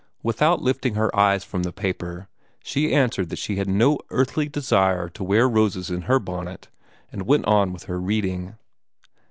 Without lifting her eyes from the paper, she answered that she had no earthly desire to wear roses in her bonnet, and went on with her reading.